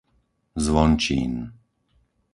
Zvončín